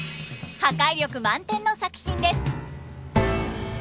破壊力満点の作品です。